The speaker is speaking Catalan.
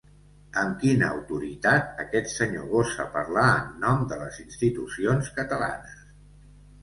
Amb quina autoritat aquest senyor gosa parlar en nom de les institucions catalanes.